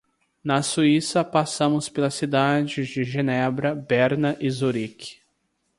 Na Suíça passamos pelas cidades de Genebra, Berna e Zurique.